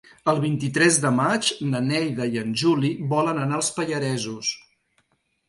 El vint-i-tres de maig na Neida i en Juli volen anar als Pallaresos.